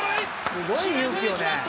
すごい勇気よね。